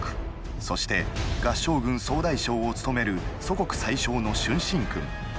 そして合従軍総大将を務める楚国宰相の春申君。